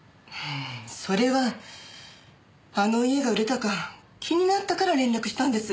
それはあの家が売れたか気になったから連絡したんです。